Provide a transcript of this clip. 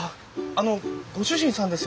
あのご主人さんですよね？